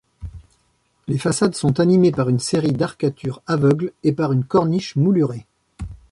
Les façades sont animées par une série d'arcatures aveugles et par une corniche moulurée.